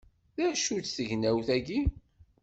D acu-tt tegnawt-agi!